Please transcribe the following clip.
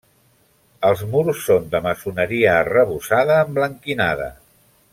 Els murs són de maçoneria arrebossada emblanquinada.